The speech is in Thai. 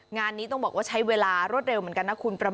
งานนี้ต้องบอกว่าใช้เวลารวดเร็วเหมือนกันนะคุณ